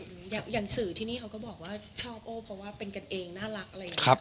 อย่างสื่อที่นี่เขาก็บอกว่าชอบโอ้เพราะว่าเป็นกันเองน่ารักอะไรอย่างนี้